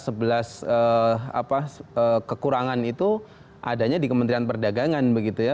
sebelas kekurangan itu adanya di kementerian perdagangan begitu ya